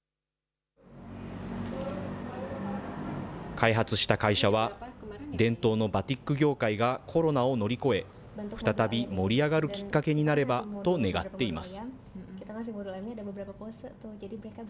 開発した会社は、伝統のバティック業界がコロナを乗り越え、再び盛り上がるきっかけになればと願っています。